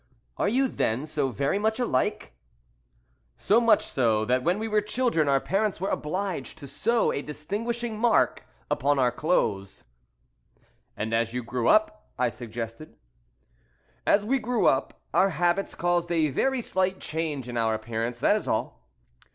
"Are you, then, so very much alike?" "So much so, that when we were children our parents were obliged to sew a distinguishing mark upon our clothes." "And as you grew up?" I suggested. "As we grew up our habits caused a very slight change in our appearance, that is all.